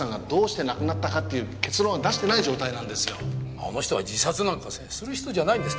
あの人は自殺なんかする人じゃないんです。